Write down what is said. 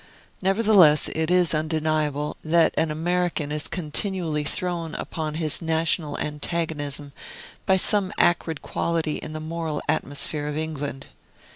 Nevertheless, it is undeniable that an American is continually thrown upon his national antagonism by some acrid quality in the moral atmosphere of England.